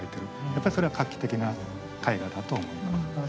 やっぱりそれは画期的な絵画だと思います。